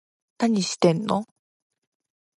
何してんの